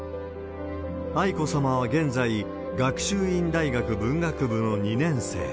愛子さまは現在、学習院大学文学部の２年生。